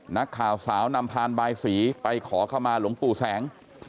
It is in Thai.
นักข่าวสาวนำพานบายสีไปขอเข้ามาหลวงปู่แสง